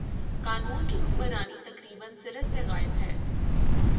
قانون کی حکمرانی تقریبا سر ے سے غائب ہے۔